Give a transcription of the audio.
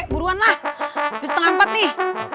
buruan lah habis setengah empat nih